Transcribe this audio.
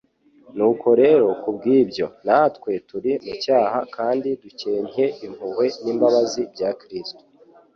Nuko rero kubw'ibyo, natwe turi mu cyaha kandi dukencye impuhwe n'imbabazi bya Kristo: